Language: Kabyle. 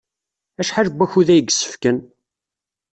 Acḥal n wakud ay yessefken?